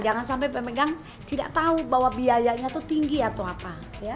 jangan sampai pemegang tidak tahu bahwa biayanya itu tinggi atau apa